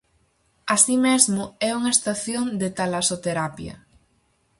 Así mesmo, é unha estación de talasoterapia.